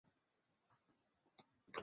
但拜占庭礼神父仍然留在一些教区中。